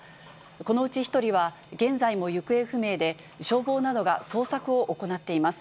このうち１人は、現在も行方不明で、消防などが捜索を行っています。